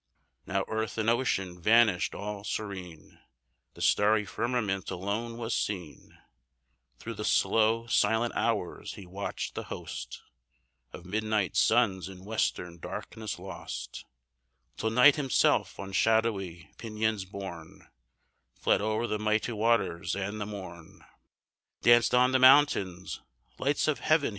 Now earth and ocean vanish'd, all serene The starry firmament alone was seen; Through the slow, silent hours, he watch'd the host Of midnight suns in western darkness lost, Till Night himself, on shadowy pinions borne, Fled o'er the mighty waters, and the morn Danced on the mountains: "Lights of heaven!"